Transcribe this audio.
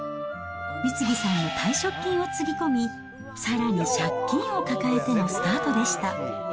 美次さんの退職金をつぎ込み、さらに借金を抱えてのスタートでした。